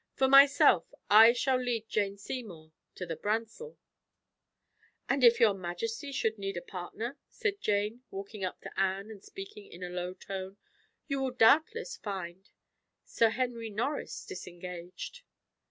For myself, I shall lead Jane Seymour to the bransle." "And if your majesty should need a partner," said Jane, walking up to Anne and speaking in a low tone, "you will doubtless find Sir Henry Norris disengaged."